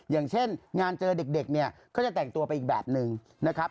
อย่างเช่นงานเจอเด็กเนี่ยก็จะแต่งตัวไปอีกแบบนึงนะครับ